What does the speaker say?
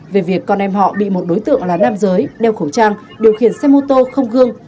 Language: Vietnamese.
về việc con em họ bị một đối tượng là nam giới đeo khẩu trang điều khiển xe mô tô không gương